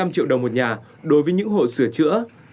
một mươi năm triệu đồng một nhà đối với những hộ sửa chữa